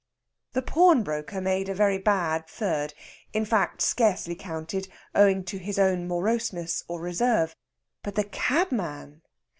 The pawnbroker made a very bad third in fact, scarcely counted, owing to his own moroseness or reserve. But the cabman!